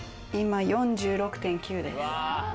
今、４６．９です。